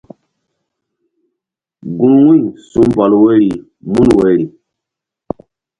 Gun wu̧y su̧ mbɔl woyri mun woyri.